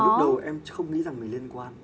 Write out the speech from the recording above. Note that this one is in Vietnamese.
lúc đầu em không nghĩ rằng mình liên quan